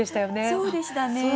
そうでしたね。